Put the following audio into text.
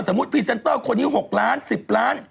สมมุติโปรแสนเตอร์คนนี้๖ล้าน๑๐ล้าน